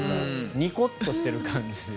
ニコッとしている感じで。